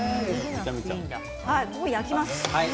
ここは焼きます。